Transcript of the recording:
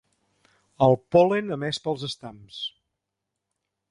El pol·len emès pels estams.